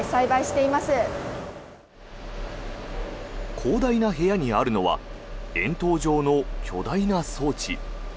広大な部屋にあるのは円筒状の巨大な装置。